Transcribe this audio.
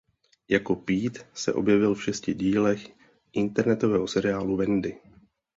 Jako Pete se objevil v šesti dílech internetového seriálu "Wendy".